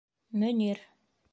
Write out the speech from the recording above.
Мөнир.